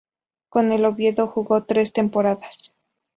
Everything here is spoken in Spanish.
Con el Oviedo jugó tres temporadas.